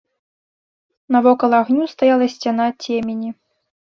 Навокал агню стаяла сцяна цемені.